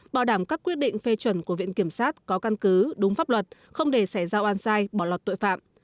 bảo đảm các quyết định phê chuẩn của viện kiểm sát có căn cứ đúng pháp luật không để xảy ra oan sai bỏ lọt tội phạm